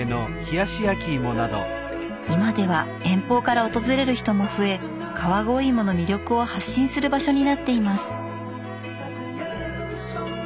今では遠方から訪れる人も増え川越いもの魅力を発信する場所になっています。